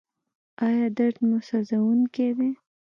ایا درد مو سوځونکی دی؟